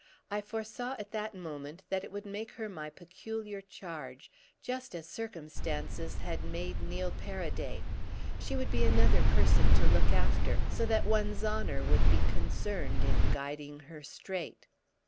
I foresaw at that moment that it would make her my peculiar charge, just as circumstances had made Neil Paraday. She would be another person to look after, so that one's honour would be concerned in guiding her straight.